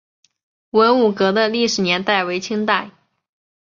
文武阁的历史年代为清代。